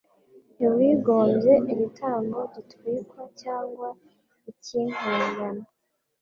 ntiwigombye igitambo gitwikwa cyangwa icy’impongano